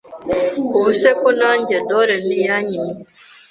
Ubu se ko najye Dorlene yanyimye